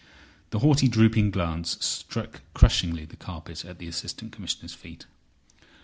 The haughty drooping glance struck crushingly the carpet at the Assistant Commissioner's feet.